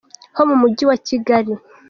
ho mu Mujyi wa Kigali..